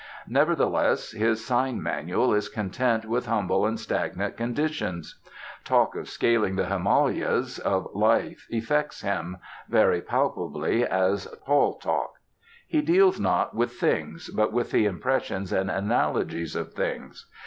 Nevertheless, his sign manual is content with humble and stagnant conditions. Talk of scaling the Himalayas of life affects him, very palpably, as "tall talk." He deals not with things, but with the impressions and analogies of things.